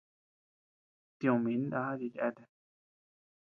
Tioʼö min na chi cheatea.